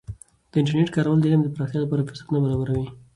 د انټرنیټ کارول د علم د پراختیا لپاره فرصتونه برابروي.